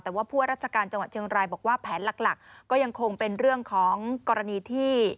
แต่ว่าผู้ว่าราชการจังหวัดเชียงรายบอกว่าแผนหลักก็ยังคงเป็นเรื่องของกรณีที่